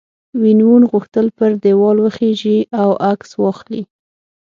وین وون غوښتل پر دیوال وخیژي او عکس واخلي.